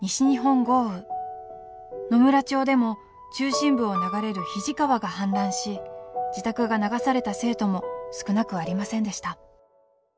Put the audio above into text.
野村町でも中心部を流れる肱川が氾濫し自宅が流された生徒も少なくありませんでした。